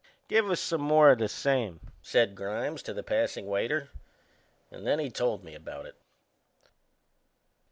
"Give us some more o' the same," said Grimes to the passing waiter. And then he told me about it.